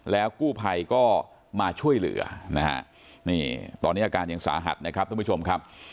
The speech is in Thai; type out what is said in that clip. แล้วกู้ภัยก็มาช่วยเหลือนะฮะนี่ตอนนี้อาการยังสาหัสนะครับท่านผู้ชมครับ